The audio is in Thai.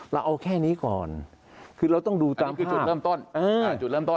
เราเอาแค่นี้ก่อนคือเราต้องดูตามภาพจุดเริ่มต้น